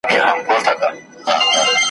زه به مي څنګه کوچۍ ښکلي ته غزل ولیکم ,